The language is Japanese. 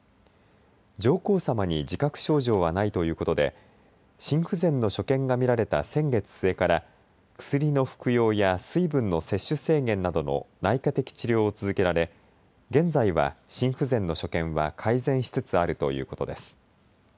上皇さまに自覚症状はないということで心不全の所見が見られた先月末から薬の服用や水分の摂取制限などの内科的治療を続けられ現在は心不全の所見は改善しつつあるということです。